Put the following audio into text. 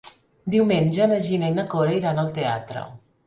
Diumenge na Gina i na Cora iran al teatre.